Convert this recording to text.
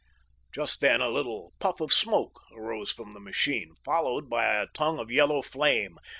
Just then a little puff of smoke arose from the machine, followed by a tongue of yellow flame.